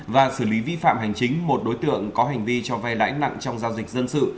và xử lý vi phạm hành chính một đối tượng có hành vi cho vay lãi nặng trong giao dịch dân sự